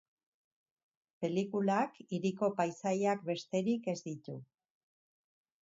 Pelikulak hiriko paisaiak besterik ez ditu.